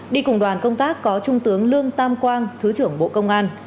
đi cùng đoàn công tác có trung tướng lương tam quang thứ trưởng bộ công an